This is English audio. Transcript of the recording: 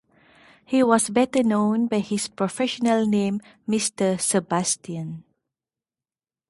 He was better known by his professional name Mr. Sebastian.